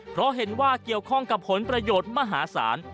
เพราะเห็นว่าเกี่ยวข้องกับผลประโยชน์มหาศาล